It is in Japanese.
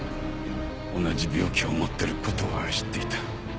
同じ病気を持ってる事は知っていた。